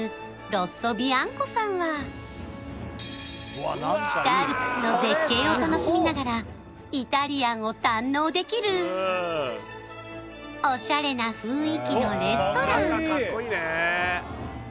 ロッソビアンコさんはを楽しみながらイタリアンを堪能できるオシャレな雰囲気のレストラン